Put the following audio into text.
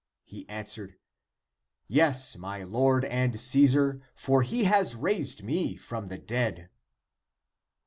" He answered, " Yes, my lord and Caesar, for he has raised me from the dead."